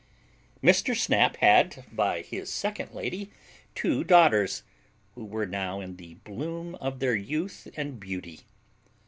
Mr. Snap had by his second lady two daughters, who were now in the bloom of their youth and beauty.